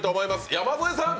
山添さん！